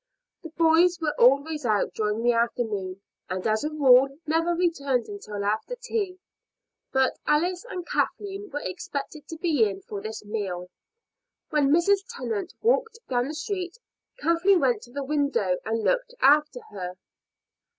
The boys were always out during the afternoon, and as a rule never returned until after tea; but Alice and Kathleen were expected to be in for this meal. When Mrs. Tennant walked down the street, Kathleen went to the window and looked after her.